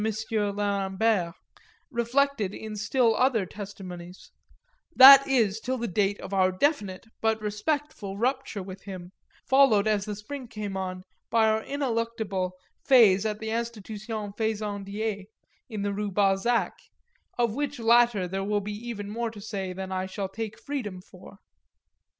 Lerambert, reflected in still other testimonies that is till the date of our definite but respectful rupture with him, followed as the spring came on by our ineluctable phase at the Institution Fezandié in the Rue Balzac; of which latter there will be even more to say than I shall take freedom for.